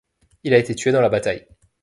Il a été tué dans la bataille.